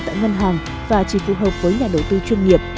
tại ngân hàng và chỉ phù hợp với nhà đầu tư chuyên nghiệp